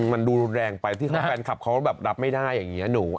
มันดูแรงไปที่แฟนคลับเขาแบบรับไม่ได้อย่างนี้